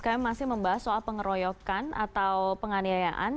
kami masih membahas soal pengeroyokan atau penganiayaan